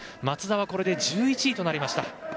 松田は１１位となりました。